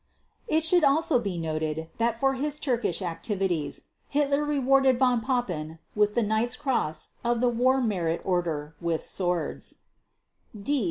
It should also be noted that for his Turkish activities, Hitler rewarded Von Papen with the Knight's Cross of the War Merit Order with Swords (D 632).